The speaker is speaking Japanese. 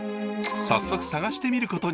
早速探してみることに。